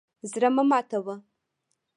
زړه مه ماتوه.